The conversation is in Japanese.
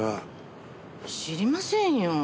知りませんよ。